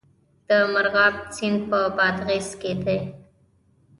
د مرغاب سیند په بادغیس کې دی